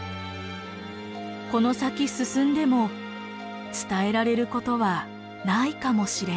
この先進んでも伝えられることはないかもしれない。